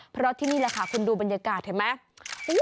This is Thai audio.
เพราะที่นี่แหละค่ะคุณดูบรรยากาศเห็นไหม